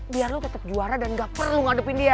biar lu tetap juara dan nggak perlu ngadepin dia